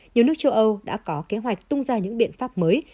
nhiều nước châu âu đã có kế hoạch tung ra những biện pháp mới